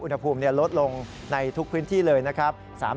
อุณหภูมิลดลงในทุกพื้นที่เลยนะครับ